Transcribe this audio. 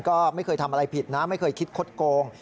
ก็ไม่เคยทำอะไรผิดนะไม่เคยคิดคดโกง